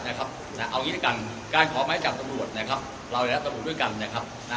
เอาอย่างนี้ด้วยกันการขอหมายจับตรวจเราอยู่แล้วตรวจด้วยกัน